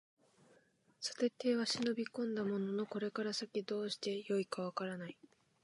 さて邸へは忍び込んだもののこれから先どうして善いか分からない